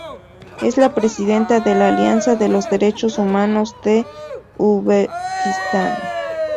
Es la presidenta de la Alianza de los Derechos Humanos de Uzbekistán.